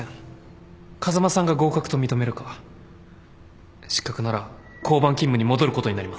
風間さんが合格と認めるか失格なら交番勤務に戻ることになります。